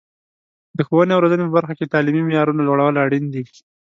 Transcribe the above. د ښوونې او روزنې په برخه کې د تعلیمي معیارونو لوړول اړین دي.